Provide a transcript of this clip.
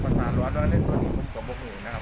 ผมจะอาจจะบอกคุณนะครับ